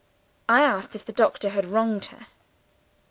"I asked if the doctor had wronged her.